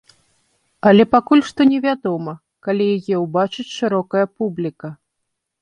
Але пакуль што невядома, калі яе ўбачыць шырокая публіка.